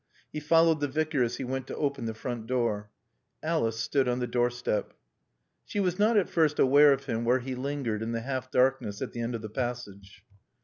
He followed the Vicar as he went to open the front door. Alice stood on the doorstep. She was not at first aware of him where he lingered in the half darkness at the end of the passage.